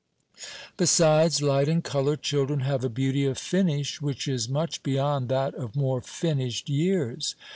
Besides light and colour, children have a beauty of finish which is much beyond that of more finished years.